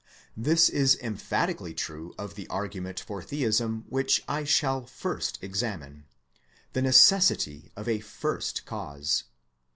This is emphatically true of the argument for Theism which I shall first examine, the necessity of a First Cause.